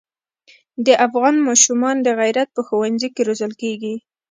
د افغان ماشومان د غیرت په ښونځي کې روزل کېږي.